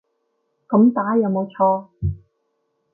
噉打有冇錯